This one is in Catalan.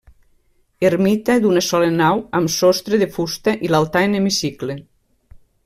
Ermita d'una sola nau amb sostre de fusta i l'altar en hemicicle.